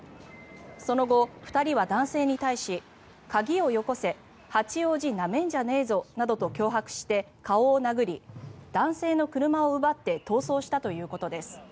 その後、２人は男性に対し鍵をよこせ八王子なめんじゃねえぞなどと脅迫して顔を殴り、男性の車を奪って逃走したということです。